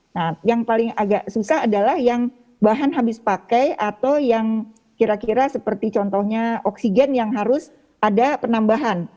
nah yang paling agak susah adalah yang bahan habis pakai atau yang kira kira seperti contohnya oksigen yang harus ada penambahan